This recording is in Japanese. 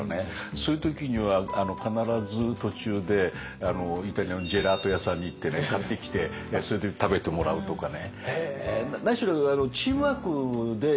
そういう時には必ず途中でイタリアのジェラート屋さんに行って買ってきてそれで食べてもらうとかね。